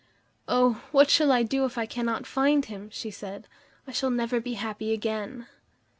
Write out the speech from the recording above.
"Oh! what shall I do if I cannot find him?" she said. "I shall never be happy again."